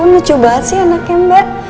ya ampun lucu banget sih anaknya mbak